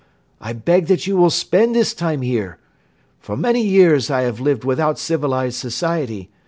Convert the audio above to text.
I beg that you will spend this time here. For many years I have lived without civilized society.